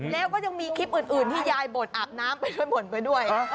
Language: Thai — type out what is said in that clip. แล้วก็ยังมีคลิปอื่นที่ยายบ่นอาบน้ำไปด้วยบ่นไปด้วย